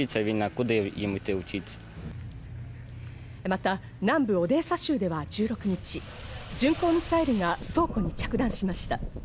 また南部オデーサ州では１６日、巡航ミサイルが倉庫に着弾しました。